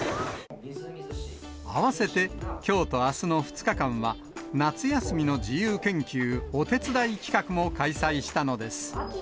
合わせて、きょうとあすの２日間は、夏休みの自由研究お手伝い企画も開催したのです。